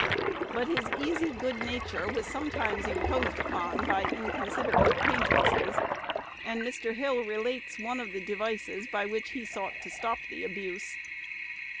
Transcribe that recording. But his easy good nature was sometimes imposed upon by inconsiderate acquaintances; and Mr. Hill relates one of the devices by which he sought to stop the abuse.